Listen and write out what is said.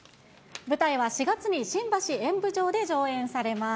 舞台は４月に新橋演舞場で上演されます。